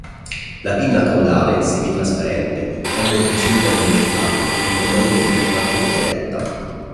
La pinna caudale, semitrasparente, è molto simile ad un ventaglio e normalmente mantenuta eretta.